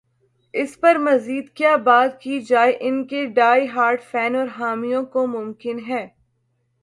اس پر مزید کیا بات کی جائے ان کے ڈائی ہارڈ فین اور حامیوں کو ممکن ہے۔